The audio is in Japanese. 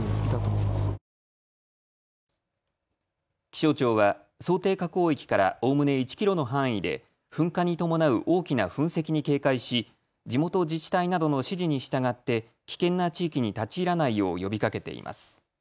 気象庁は想定火口域からおおむね１キロの範囲で噴火に伴う大きな噴石に警戒し地元自治体などの指示に従って危険な地域に立ち入らないよう呼びかけています。